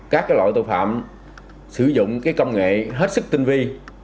các loại tội phạm sử dụng công nghệ hết sức tinh vi